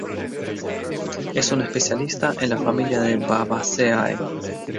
Es una especialista en la familia de Fabaceae.